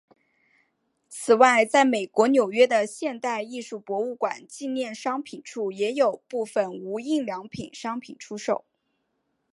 此外在美国纽约的现代艺术博物馆纪念商品处也有部份无印良品商品出售。